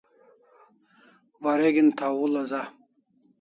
Wareg'in thaw hul'a za